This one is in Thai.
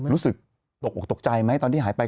รู้สึกตกใจไหมตอนที่หายไป